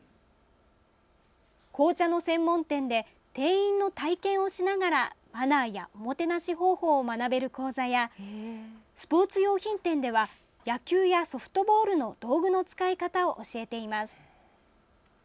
紅茶の専門店で店員の体験をしながらマナーやおもてなし方法を学べる講座や、スポーツ用品店では野球やソフトボールの道具の使い方を教えています。